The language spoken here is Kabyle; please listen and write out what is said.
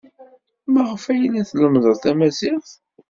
Maɣef ay la tlemmded tamaziɣt?